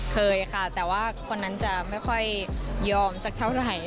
เคยค่ะแต่ว่าคนนั้นจะไม่ค่อยยอมสักเท่าไหร่